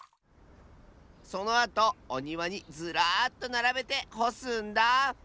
そのあとおにわにずらっとならべてほすんだ！